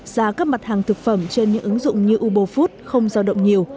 giá các mặt hàng thực phẩm trên những ứng dụng như ubofood không giao động nhiều